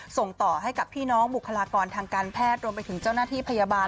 ส่งต่อให้กับพี่น้องบุคลากรทางการแพทย์รวมไปถึงเจ้าหน้าที่พยาบาล